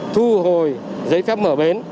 thu hồi giấy phép mở bến